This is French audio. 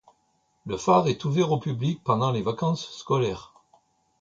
Le phare est ouvert au public pendant les vacances scolaires.